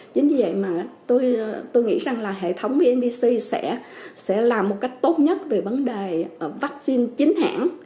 chính vì vậy mà tôi nghĩ rằng là hệ thống mbc sẽ làm một cách tốt nhất về vấn đề vaccine chính hãng